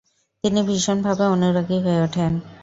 তিনি ভীষণ ভাবে অনুরাগী হয়ে উঠেন।